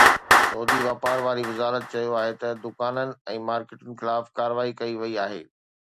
سعودي واپار واري وزارت چيو آهي ته دڪانن ۽ مارڪيٽن خلاف ڪارروائي ڪئي وئي آهي